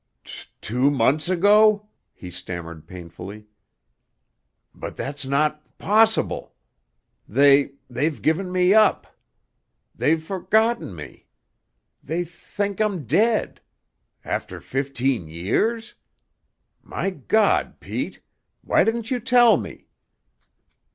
"T two months ago!" he stammered painfully; "but that's not p possible. They they've given me up. They've f forgotten me. They th think I'm dead. After fifteen years? My God, Pete! Why didn't you tell me?"